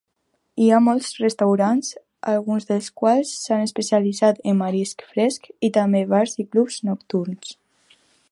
Hi ha molts restaurants, alguns dels quals s'han especialitzat en marisc fresc, i també bars i clubs nocturns.